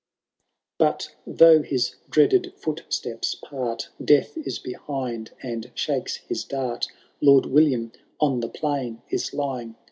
XVIII. But though his dreaded footsteps part, Death is behind and shakes his dart ; Lord William on the plain is lying.